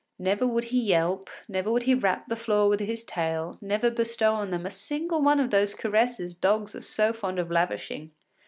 Never would he yelp, never would he rap the floor with his tail, never bestow on them a single one of those caresses dogs are so fond of lavishing.